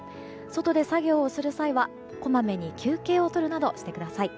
外で作業をする際は、こまめに休憩をとるなどしてください。